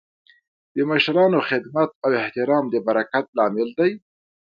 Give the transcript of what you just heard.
د مشرانو خدمت او احترام د برکت لامل دی.